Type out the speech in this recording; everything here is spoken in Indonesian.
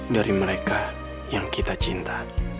dari mereka yang kita cinta